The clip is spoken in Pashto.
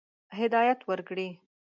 هدایت ورکړي.